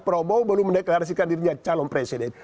prabowo belum mendeklarasikan dirinya calon presiden